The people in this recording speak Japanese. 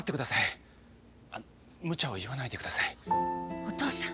お父さん！